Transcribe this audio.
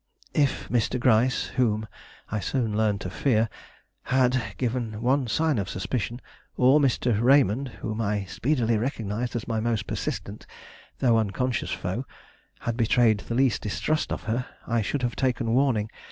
If Mr. Gryce, whom I soon learned to fear, had given one sign of suspicion, or Mr. Raymond, whom I speedily recognized as my most persistent though unconscious foe, had betrayed the least distrust of her, I should have taken warning.